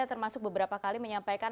untuk beberapa kali menyampaikan